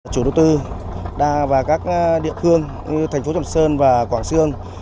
chủ đầu tư và các địa phương như thành phố sầm sơn và quảng sương